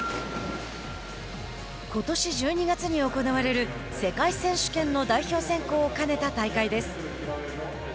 ことし１２月に行われる世界選手権の代表選考を兼ねた大会です。